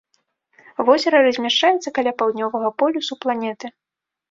Возера размяшчаецца каля паўднёвага полюсу планеты.